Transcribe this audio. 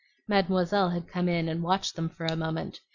Mademoiselle had come in and watched them for a moment.